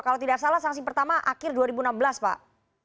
kalau tidak salah sanksi pertama akhir dua ribu enam belas pak